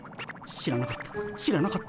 知らなかった。